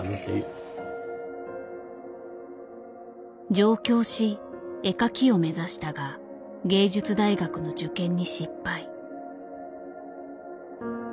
上京し絵描きを目指したが芸術大学の受験に失敗。